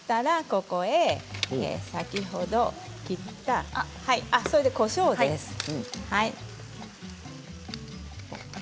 ここに先ほど切ったあ、まずこしょうですね。